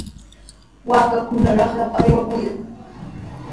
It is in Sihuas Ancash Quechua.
Waakakuna raqrapa aywaykaayan.